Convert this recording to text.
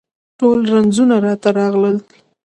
ټول رنځونه راته راغلل